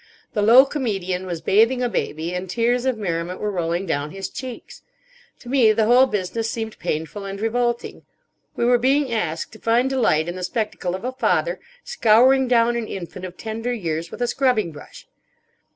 The low comedian was bathing a baby, and tears of merriment were rolling down his cheeks. To me the whole business seemed painful and revolting. We were being asked to find delight in the spectacle of a father—scouring down an infant of tender years with a scrubbing brush.